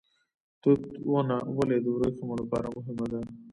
توت ونه ولې د وریښمو لپاره مهمه ده؟